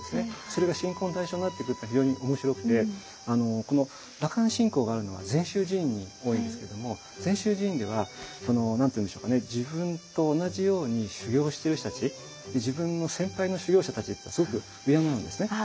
それが信仰の対象になってくるって非常に面白くてこの羅漢信仰があるのは禅宗寺院に多いんですけども禅宗寺院では何て言うんでしょうかね自分と同じように修行している人たち自分の先輩の修行者たちっていうのをすごく敬うんですね。